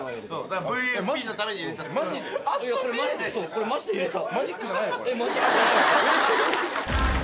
これマジで入れた。